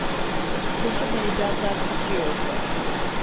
Sesim heyecandan titriyordu.